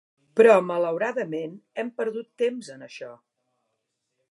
Però malauradament, hem perdut temps en això.